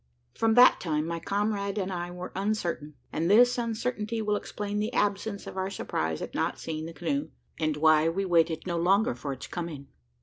From that time, my comrade and I were uncertain; and this, uncertainty will explain the absence of our surprise at not seeing the canoe, and why we waited no longer for its coming.